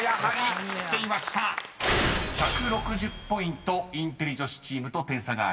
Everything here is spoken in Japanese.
［１６０ポイントインテリ女子チームと点差があります］